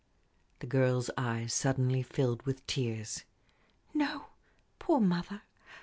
The girl's eyes suddenly filled with tears. "No; poor mother!